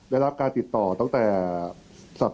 และการแสดงสมบัติของแคนดิเดตนายกนะครับ